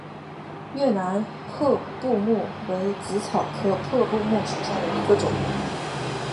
越南破布木为紫草科破布木属下的一个种。